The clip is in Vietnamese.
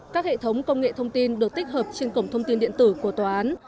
các hệ thống công nghệ thông tin được tích hợp trên cổng thông tin điện tử của tòa án